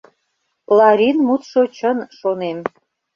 Ларин мутшо чын, шонем.